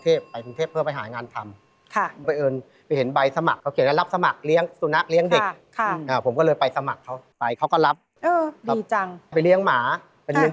แต่อันนี้มันยังไม่ย่อย